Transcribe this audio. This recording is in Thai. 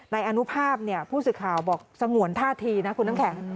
นายอนุภาพผู้สื่อข่าวบอกสงวนท่าทีนะคุณน้ำแข็ง